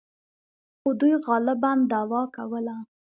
خو دوی غالباً دعوا کوله.